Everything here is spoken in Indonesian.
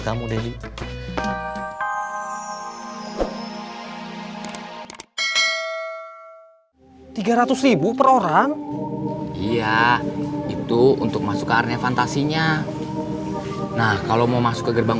kamu deh tiga ratus per orang iya itu untuk masuk ke area fantasinya nah kalau mau masuk ke gerbang